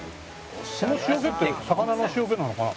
この塩気って魚の塩気なのかな？